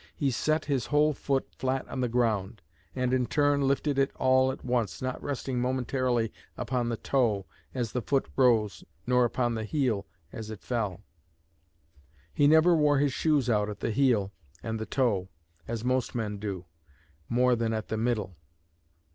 He set his whole foot flat on the ground, and in turn lifted it all at once not resting momentarily upon the toe as the foot rose nor upon the heel as it fell. He never wore his shoes out at the heel and the toe, as most men do, more than at the middle.